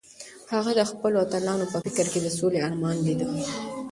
هغه د خپلو اتلانو په فکر کې د سولې ارمان لیده.